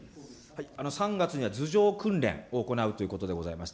３月には図上訓練を行うということでございました。